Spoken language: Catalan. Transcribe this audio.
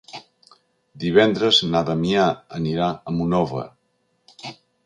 Divendres na Damià anirà a Monòver.